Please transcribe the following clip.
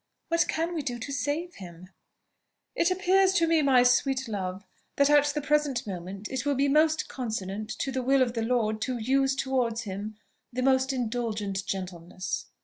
What can we do to save him?" "It appears to me, my sweet love, that at the present moment it will be most consonant to the will of the Lord to use towards him the most indulgent gentleness."